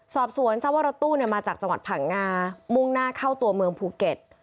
สอบสวนทราบว่ารถตู้มาจากจังหวัดผังงามุ่งหน้าเข้าตัวเมืองภูเก็ต